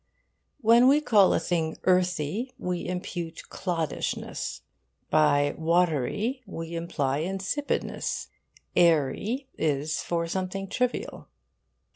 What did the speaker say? When we call a thing earthy we impute cloddishness; by 'watery' we imply insipidness; 'airy' is for something trivial.